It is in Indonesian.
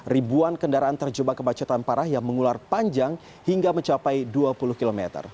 ribuan kendaraan terjebak kemacetan parah yang mengular panjang hingga mencapai dua puluh km